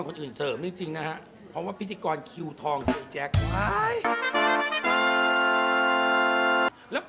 คนอื่นเตรียมว่ามีพิธีกรคนอื่นเสริม